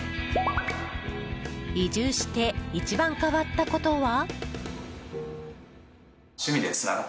移住して、一番変わったことは？